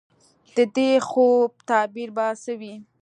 د دې خوب تعبیر به څه وي ؟